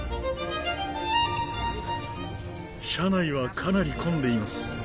車内はかなり混んでいます。